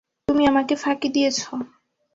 তুমি আমাকে ফাঁকি দিয়েছ।